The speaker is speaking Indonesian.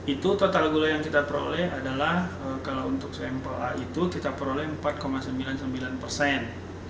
itu total gula yang kita peroleh adalah kalau untuk sampel a itu kita peroleh empat sembilan puluh sembilan persen